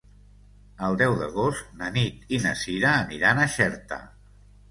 El deu d'agost na Nit i na Sira aniran a Xerta.